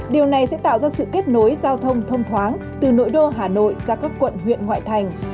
điều này sẽ tạo ra sự kết nối giao thông thông thoáng từ nội đô hà nội ra các quận huyện ngoại thành